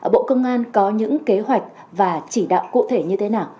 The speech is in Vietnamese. bộ công an có những kế hoạch và chỉ đạo cụ thể như thế nào